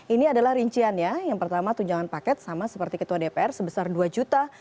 ini adalah rinciannya yang pertama tunjangan paket sama seperti ketua dpr sebesar dua juta